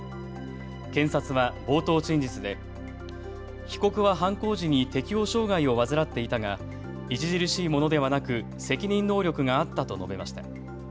検察は冒頭陳述で被告は犯行時に適応障害を患っていたが著しいものではなく、責任能力があったと述べました。